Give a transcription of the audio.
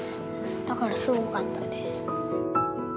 だからすごかったです。